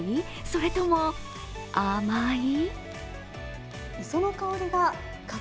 それとも甘い？